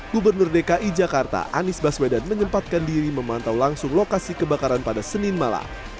gubernur dki jakarta anies baswedan menyempatkan diri memantau langsung lokasi kebakaran pada senin malam